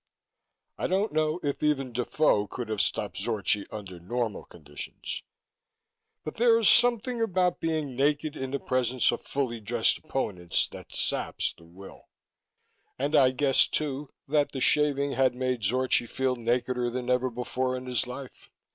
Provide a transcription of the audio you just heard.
I don't know if even Defoe could have stopped Zorchi under normal conditions. But there is something about being naked in the presence of fully dressed opponents that saps the will; and I guessed, too, that the shaving had made Zorchi feel nakeder than ever before in his life.